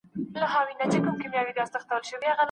ډېره ډوډۍ ماڼۍ ته وړل کیږي.